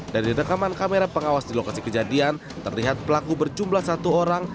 dari rekaman kamera pengawas di lokasi kejadian terlihat pelaku berjumlah satu orang